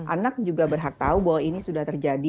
anak juga berhak tahu bahwa ini sudah terjadi